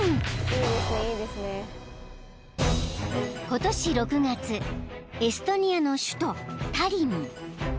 ［今年６月エストニアの首都タリン］